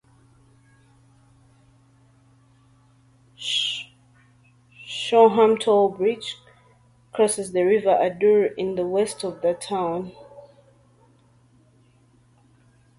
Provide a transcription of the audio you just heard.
Shoreham Tollbridge crosses the River Adur in the west of the town.